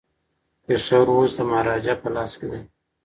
پېښور اوس د مهاراجا په لاس کي دی.